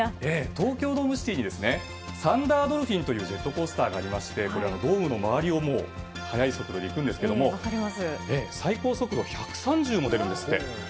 東京ドームシティにサンダードルフィンというジェットコースターがありましてこれドームの周りを速い速度で行くんですけど最高速度１３０も出るんですって。